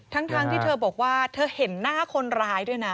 ทั้งที่เธอบอกว่าเธอเห็นหน้าคนร้ายด้วยนะ